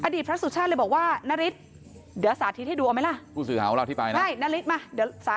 อดีตพระสุชาติเลยบอกว่านาริสเดี๋ยวสาธิตให้ดูเอาไหมล่ะ